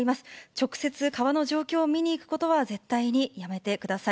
直接川の状況を見に行くことは絶対にやめてください。